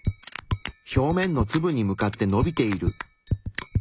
表面のツブに向かってのびている。